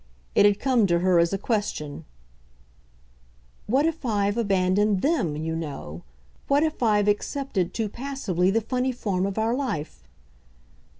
It had come to her as a question "What if I've abandoned THEM, you know? What if I've accepted too passively the funny form of our life?"